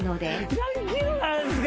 何キロなんすか？